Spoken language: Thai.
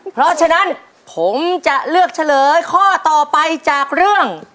เพราะฉะนั้นผมจะเลือกเฉลยข้อต่อไปจากเรื่อง